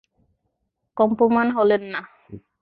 কম্পমান হলেন না।